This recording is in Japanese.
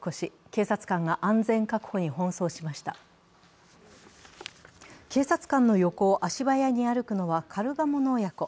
警察官の横を足早に歩くのはカルガモの親子。